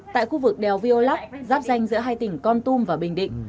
tại khu vực đèo viô lóc giáp danh giữa hai tỉnh con tum và bình định